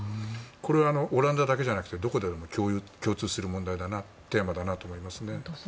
これはオランダだけじゃなくてどこでも共通するテーマだなと思います。